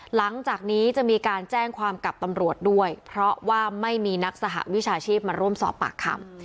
หลังจากนี้จะมีการแจ้งความกับตำรวจด้วยเพราะว่าไม่มีนักสหวิชาชีพมาร่วมสอบปากคำ